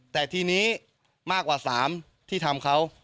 แต่ทีนี้มากกว่า๓ที่ทำเขา